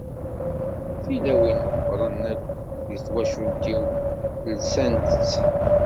Tilawin meqqren akk deg twacult-iw lsant-tt.